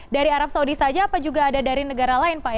dari arab saudi saja apa juga ada dari negara lain pak